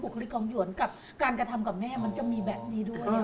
ก็ฝึกฤกษ์หยวนกับการกระทำกับแม่มันก็มีแบบนี้ด้วย